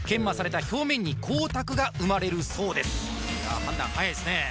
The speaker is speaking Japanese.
判断早いですね